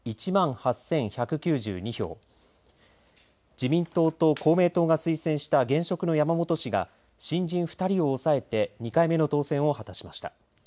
自民党と公明党が推薦した現職の山本氏が新人２人を抑えて２回目の当選を果たしました。